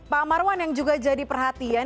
pak marwan yang juga jadi perhatian